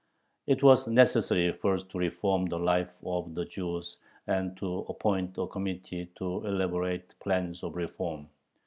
It was necessary first to reform the life of the Jews and to appoint a committee to elaborate plans of reform.